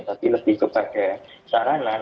tapi lebih kepada sarana